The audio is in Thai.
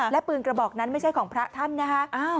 และปืนกระบอกนั้นไม่ใช่ของพระท่านนะคะ